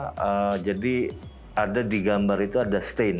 nah kalau di gambar itu umumnya jadi ada di gambar itu ada stage